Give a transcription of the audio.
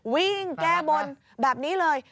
วิ่งแก้บนแบบนี้เลย